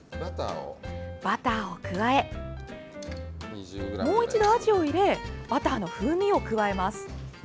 バターを加えもう一度アジを入れバターの風味を加えます。